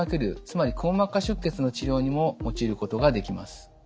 つまりくも膜下出血の治療にも用いることができます。